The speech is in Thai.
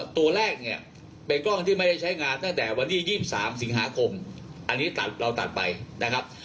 ตัวแรกเนี่ยเป็นกล้องที่ไม่ได้ใช้งานตั้งแต่วันที่๒๓สิงหาคมอันนี้ตัดเราตัดไปนะครับ